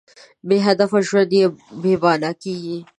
بېهدفه ژوند بېمانا کېږي.